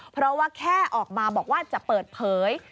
เพราะว่าแค่ออกมาบอกว่าจะเปิดเผย